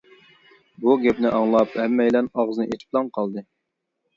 بۇ گەپنى ئاڭلاپ ھەممەيلەن ئاغزىنى ئېچىپلا قالدى.